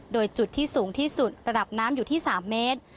โดยจุดที่สูงที่สุดระดับน้ำอยู่ที่๓เมตร